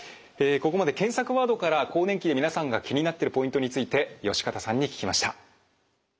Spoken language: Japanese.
ここまで検索ワードから更年期で皆さんが気になってるポイントについて善方さんに聞きました。